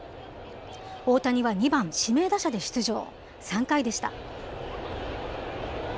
大谷は２番指名打者で出場、３回でした。